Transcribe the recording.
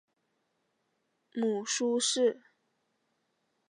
母舒氏。